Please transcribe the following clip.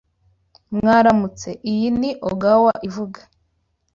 Mwaramutse. Iyi ni Ogawa ivuga.